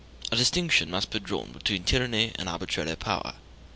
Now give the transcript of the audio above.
A distinction must be drawn between tyranny and arbitrary power.